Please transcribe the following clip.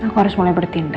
aku harus mulai bertindak